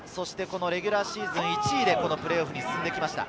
レギュラーシーズン１位でプレーオフに進んできました。